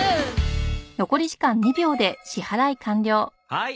はい。